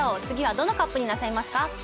次はどのＣＵＰになさいますか？